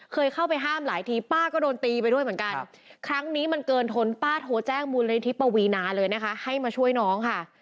เคยเข้าไปห้ามหลายทีป้าก็โดนตีไปด้วยเหมือนกันครั้งนี้มันเกินทนป้าโทรแจ้งมูลนิธิปวีนาเลยนะคะให้มาช่วยน้องค่ะ